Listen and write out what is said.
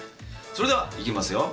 それでは、いきますよ。